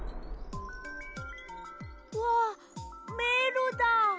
うわっめいろだ。